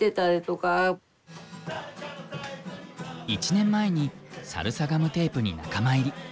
１年前にサルサガムテープに仲間入り。